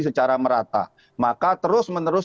secara merata maka terus menerus